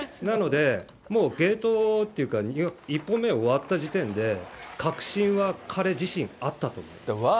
なので、もう、ゲートっていうか、１本目を終わった時点で、確信は彼自身あったと思います。